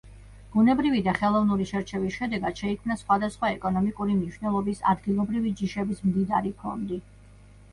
ბუნებრივი და ხელოვნური შერჩევის შედეგად შეიქმნა სხვადასხვა ეკონომიკური მნიშვნელობის ადგილობრივი ჯიშების მდიდარი ფონდი.